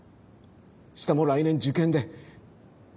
下も来年受験で。